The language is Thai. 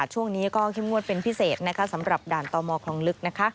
ช่วงนี้ก็เข้มงวดเป็นพิเศษสำหรับด่านต่อมอคลองลึก